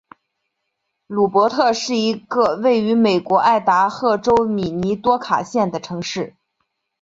鲁珀特是一个位于美国爱达荷州米尼多卡县的城市。